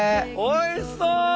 「おいしそう！」